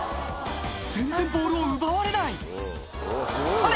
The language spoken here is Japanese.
全然ボールを奪われない「それ！